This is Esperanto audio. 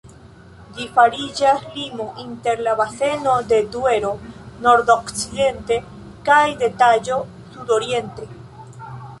Ĝi fariĝas limo inter la baseno de Duero, nordokcidente, kaj de Taĵo, sudoriente.